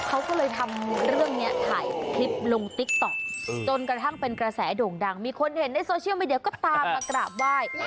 เขาก็เลยทำเรื่องนี้ถ่ายคลิปลงติ๊กต๊อกจนกระทั่งเป็นกระแสโด่งดังมีคนเห็นในโซเชียลมีเดียก็ตามมากราบไหว้